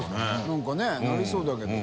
燭なりそうだけど。